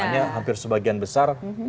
nah hampir sebagian besar